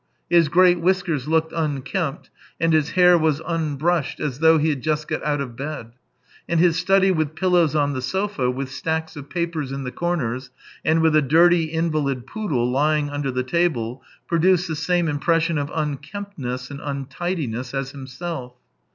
His grey whiskers looked unkempt, and his hair was unbrushed, as though he had just got out of bed. And his study with pillows on the sofa, with stacks of papers in the corners, and with a dirty invalid poodle lying under the table, produced the same impression of unkemptness and untidiness as himself.